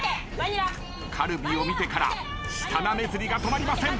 カルビを見てから舌なめずりが止まりません。